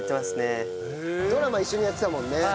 ドラマ一緒にやってたもんね。